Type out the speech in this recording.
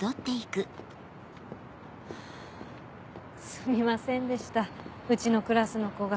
すみませんでしたうちのクラスの子が。